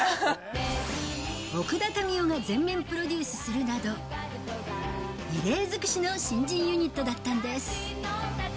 奥田民生が全面プロデュースするなど、異例尽くしの新人ユニットだったんです。